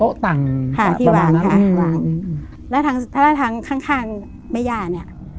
โต๊ะต่างค่ะประมาณนั้นค่ะที่วางค่ะอืมอืมแล้วทางทางข้างข้างแม่ย่าเนี้ย